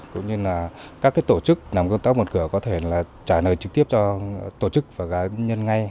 cũng như là các tổ chức làm công tác một cửa có thể là trả lời trực tiếp cho tổ chức và cá nhân ngay